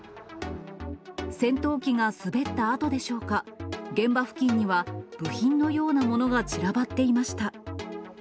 戦闘機が滑った跡でしょうか、現場付近には、部品のようなものが散らばっていました。